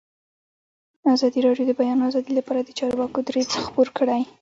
ازادي راډیو د د بیان آزادي لپاره د چارواکو دریځ خپور کړی.